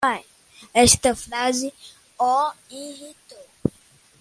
Esta frase o irritou